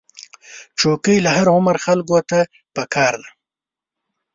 چوکۍ له هر عمر خلکو ته پکار ده.